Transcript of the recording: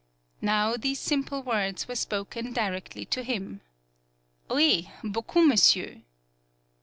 Now, these simple words were spoken directly to him. "Oui, beaucoup, monsieur!"